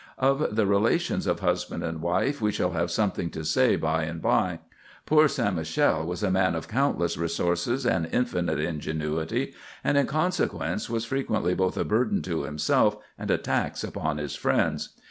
Of the relations of husband and wife we shall have something to say by and by. Poor St. Michel was a man of countless resources and infinite ingenuity, and in consequence was frequently both a burden to himself and a tax upon his friends.